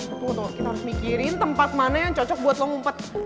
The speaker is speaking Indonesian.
betul kita harus mikirin tempat mana yang cocok buat lo ngumpet